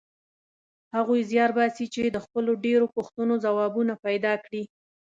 هغوی زیار باسي چې د خپلو ډېرو پوښتنو ځوابونه پیدا کړي.